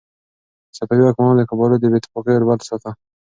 صفوي واکمنانو د قبایلو د بې اتفاقۍ اور بل ساته.